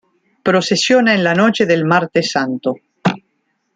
Procesiona en la noche del Martes Santo.